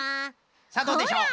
さあどうでしょう？